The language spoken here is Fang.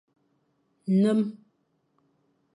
Nnem.